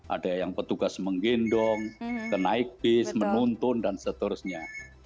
ada yang petugas menggendong kenaik bis menuntun dan seterusnya